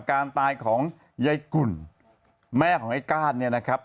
การตายของยายกุ่นแม่ของไอ้ก้านเนี่ยนะครับ